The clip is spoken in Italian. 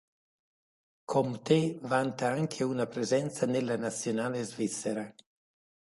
Comte vanta anche una presenza nella nazionale Svizzera.